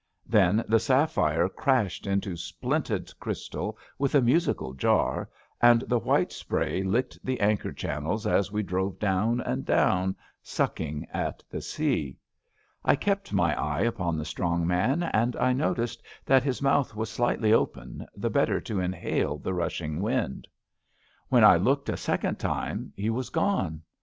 Then the sapphire crashed into splinted crystal with a musical jar, and the white spray licked the anchor channels as we drove down and down, sucking a,t the sea. I kept my eye upon the strong man, and I noticed that his mouth was slightly open, the better to inhale the rushing wind. When I looked a second time he was gone.